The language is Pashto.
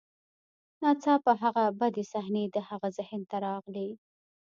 ناڅاپه هغه بدې صحنې د هغه ذهن ته راغلې